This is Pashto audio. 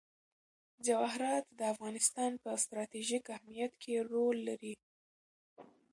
جواهرات د افغانستان په ستراتیژیک اهمیت کې رول لري.